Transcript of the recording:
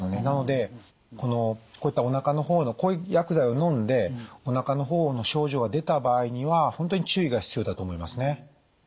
なのでこういったおなかの方のこういう薬剤をのんでおなかの方の症状が出た場合には本当に注意が必要だと思いますね。